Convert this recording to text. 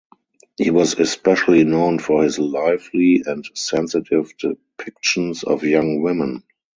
He was especially known for his lively and sensitive depictions of young women.